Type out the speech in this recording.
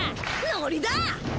ノリだ！